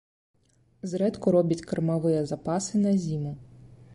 Зрэдку робіць кармавыя запасы на зіму.